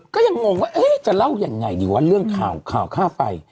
ก็ยังงงว่าจะเล่ายังไงดีวะเรื่องข่าวข่าวค่าไฟ